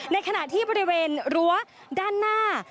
ในขณะที่บริเวณรั้วด้านหน้า